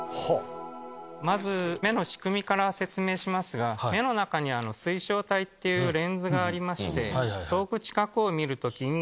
まず目の仕組みから説明しますが目の中に水晶体っていうレンズがありまして。